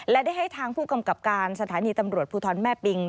และได้ให้ทางผู้กำกับการสถานีตำรวจภูทรแม่ปิง